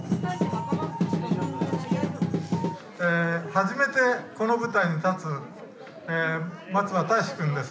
初めてこの舞台に立つ松場たいしくんです。